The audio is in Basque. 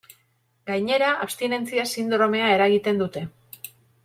Gainera, abstinentzia sindromea eragiten dute.